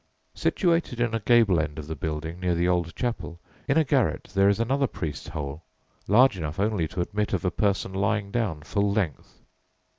Situated in a gable end of the building, near the old chapel, in a garret, there is another "priest's hole" large enough only to admit of a person lying down full length.